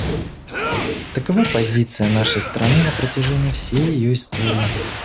Такова позиция нашей страны на протяжении всей ее истории.